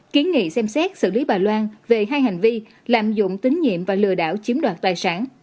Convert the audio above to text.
kiến nghị xem xét xử lý bà loan về hai hành vi lạm dụng tín nhiệm và lừa đảo chiếm đoạt tài sản